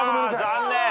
残念。